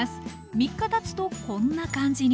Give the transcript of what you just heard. ３日たつとこんな感じに。